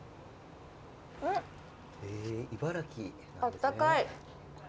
あったかい。